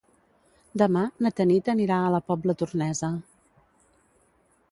Demà na Tanit anirà a la Pobla Tornesa.